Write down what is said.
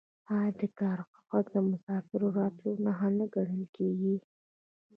آیا د کارغه غږ د مسافر د راتلو نښه نه ګڼل کیږي؟